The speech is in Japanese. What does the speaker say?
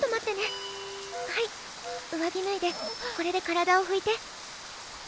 はい上着ぬいでこれで体をふいて。